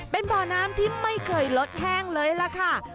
เป็นบ่อน้ำที่ไม่เคยลดแห้งเลยล่ะค่ะ